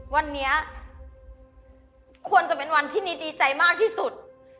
วันนี้ควรจะเป็นวันที่นิดดีใจมากที่สุด